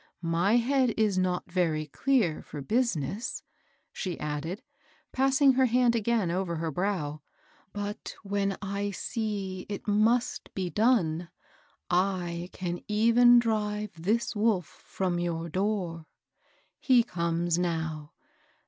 My head is not very clear for business," she added, p£»ssing her hand again over het brow ;" but when I see it must be done, I can even drive this wolf from your door. He comes now.